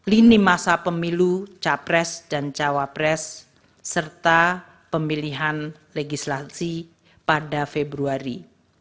lini masa pemilu capres dan cawapres serta pemilihan legislasi pada februari